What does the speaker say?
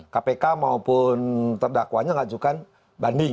kpk maupun terdakwanya ngajukan banding